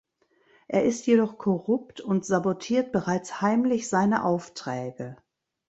Er ist jedoch korrupt und sabotiert bereits heimlich seine Aufträge.